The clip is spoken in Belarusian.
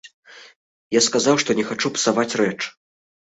Я сказаў, што не хачу псаваць рэч.